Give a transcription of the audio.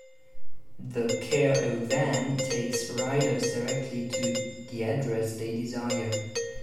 The care-A-van takes riders directly to the address they desire.